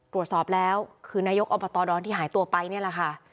ตรวจสอบแล้วคือนายกอบตดอนที่หายตัวไปนี่แหละค่ะ